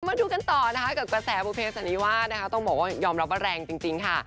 มาดูกันต่อนะคะกับกระแสบุเภสันนิวาสนะคะต้องบอกว่ายอมรับว่าแรงจริงค่ะ